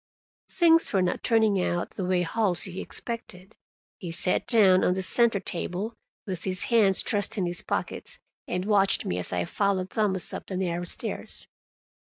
Things were not turning out the way Halsey expected. He sat down on the center table, with his hands thrust in his pockets, and watched me as I followed Thomas up the narrow stairs.